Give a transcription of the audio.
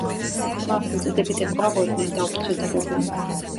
მას მოწიწებით ეპყრობოდნენ და უფრთხილდებოდნენ.